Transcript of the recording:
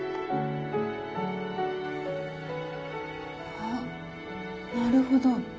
あっなるほど。